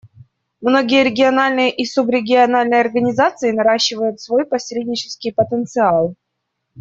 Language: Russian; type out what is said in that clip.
Многие региональные и субрегиональные организации наращивают свой посреднический потенциал.